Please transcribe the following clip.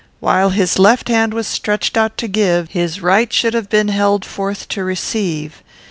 While his left hand was stretched out to give, his right should have been held forth to receive.